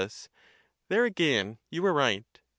There again you were right.